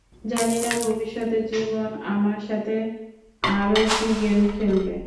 জানি না, ভবিষ্যতে জীবন আমার সাথে, আরও কি গেম খেলবে।